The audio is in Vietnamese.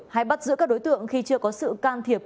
hay bắt giữ các đối tượng khi chưa có sự can thiệp